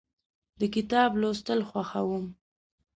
د کتاب لوستل خوښوم.